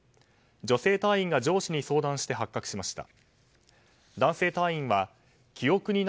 女性隊員が上司に相談して発覚しました。